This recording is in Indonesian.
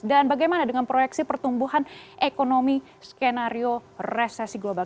bagaimana dengan proyeksi pertumbuhan ekonomi skenario resesi global